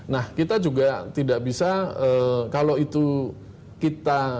nah kita juga tidak bisa kalau itu kita